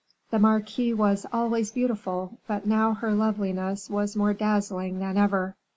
The marquise was always beautiful, but now her loveliness was more dazzling than ever.